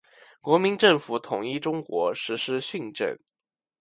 国民政府统一中国，实施训政。